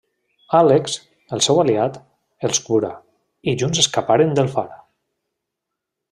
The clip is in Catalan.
Àlex, el seu aliat, els cura, i junts escaparen del far.